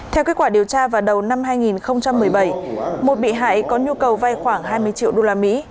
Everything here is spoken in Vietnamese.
theo kết quả điều tra vào đầu năm hai nghìn một mươi bảy một bị hại có nhu cầu vay khoảng hai mươi triệu usd